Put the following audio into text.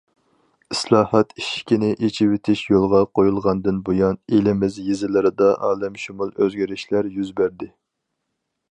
ئىسلاھات، ئىشىكنى ئېچىۋېتىش يولغا قويۇلغاندىن بۇيان، ئېلىمىز يېزىلىرىدا ئالەمشۇمۇل ئۆزگىرىشلەر يۈز بەردى.